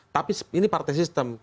tapi ini partai sistem